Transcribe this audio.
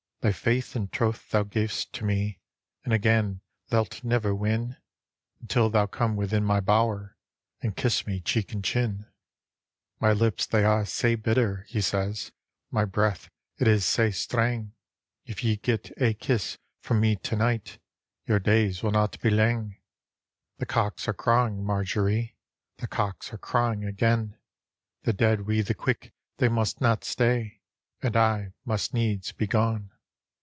" Thy faith and troth thou gavest to me, And again thou'lt never win, Until thou come within my bower And kiss me cheek and chin," " My lips they are sae bitter," he says, " My breath tt is sae Strang, If ye get ae kiss from me to night, Your days will not be lang. "The cocks are crawing, Marjorie, — The cocks are crawing again: The dead wi' the quick they mustna stay. And I must needs be gone."